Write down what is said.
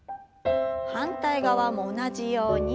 反対側も同じように。